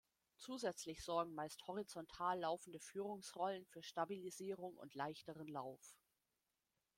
Zusätzlich sorgen meist horizontal laufende Führungsrollen für Stabilisierung und leichteren Lauf.